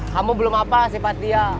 kamu belum apa sih patia